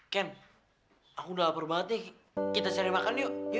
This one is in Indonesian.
kem aku udah lapar banget nih kita cari makan yuk